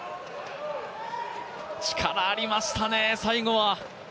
力ありましたね、最後は。